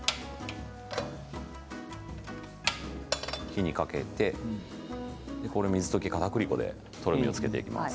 火にかけて水溶きかたくり粉でとろみをつけていきます。